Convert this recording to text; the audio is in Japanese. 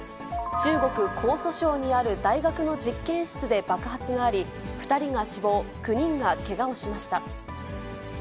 中国・江蘇省にある大学の実験室で爆発があり、２人が死亡、９人がけがをしました。